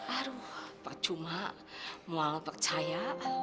aduh percuma mau nggak percaya